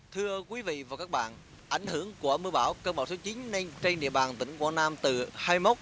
thưa quý vị và các bạn ảnh hưởng của mưa bão cơn bão số chín nên trên địa bàn tỉnh quảng nam từ hai mốc